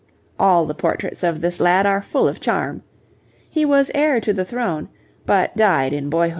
All the portraits of this lad are full of charm. He was heir to the throne, but died in boyhood.